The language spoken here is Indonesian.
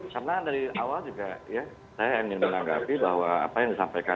karena dari awal juga ya saya ingin menanggapi bahwa apa yang disampaikan